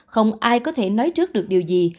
không ai có thể nói trước được điều gì